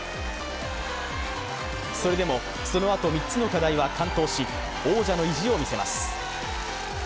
それでもそのあと３つの課題は完登し、王者の意地を見せます。